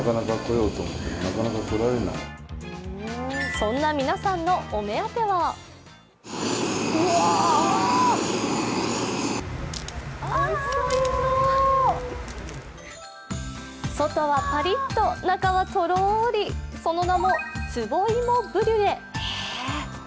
そんな皆さんのお目当ては外はパリッと、中はとろりその名も壺芋ブリュレ。